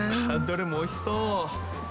どれもおいしそう。